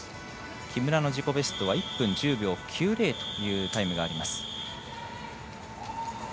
木村の自己ベスト１分１０秒９０というタイムがあります。